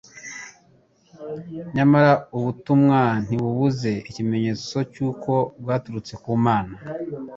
Nyamara ubutumwa ntibubuze ikimenyetso cy'uko bwaturutse ku Mana.